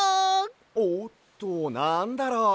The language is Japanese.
おっとなんだろう？